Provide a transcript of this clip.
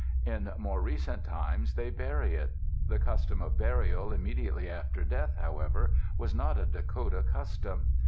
In more recent times they bury it. The custom of burial immediately after death, however, was not a Dakota custom.